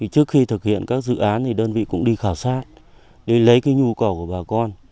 trước khi thực hiện các dự án thì đơn vị cũng đi khảo sát để lấy cái nhu cầu của bà con